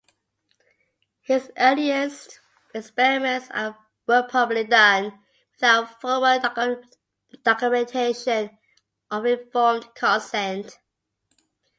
His earliest experiments were probably done without formal documentation of informed consent.